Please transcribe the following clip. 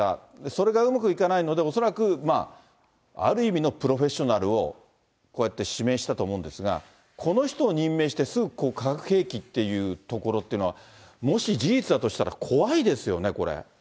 それがうまくいかないので、恐らくある意味のプロフェッショナルをこうやって指名したと思うんですが、この人を任命して、すぐ化学兵器っていうところっていうのは、もし事実だとしたら、怖いですよね、これ。